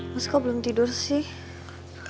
mas kau belum tidur sih